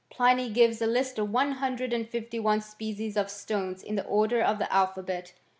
Pliny gives a list of one hundred and fifty one species of stones in the order of the alphabet.